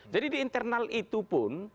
jadi di internal itu pun